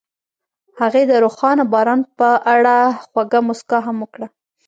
هغې د روښانه باران په اړه خوږه موسکا هم وکړه.